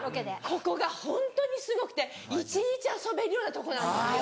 ここがホントにすごくて一日遊べるようなとこなんですよ。